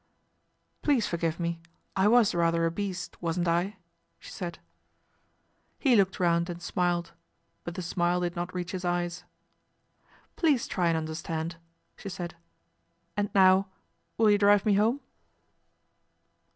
" Please forgive me, I was rather a beast, wasn't I ?" she said. LORD PETER PROMISES A SOLUTION 105 He looked round and smiled ; but the smile did not reach his eyes. " Please try and understand," she said, " and now will you drive me home